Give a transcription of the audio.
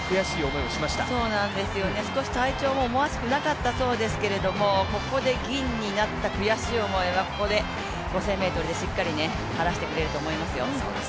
少し体調も思わしくなかったそうですけれども、銀になった悔しい思いを、５０００ｍでしっかり晴らしてくれると思いますよ。